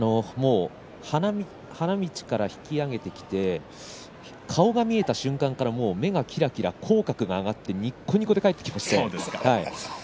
花道から引き揚げてきて顔が見えた瞬間から目がきらきら、口角が上がってにこにこで帰ってきました。